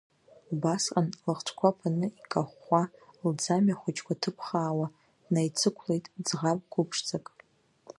Убасҟан, лыхцәқәа ԥаны икахәхәа, лӡамҩа хәыҷқәа ҭыԥхаауа, днаицықәлеит ӡӷаб қәыԥшӡак.